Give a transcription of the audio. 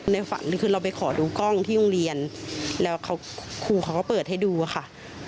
ฝันคือเราไปขอดูกล้องที่โรงเรียนแล้วครูเขาก็เปิดให้ดูค่ะ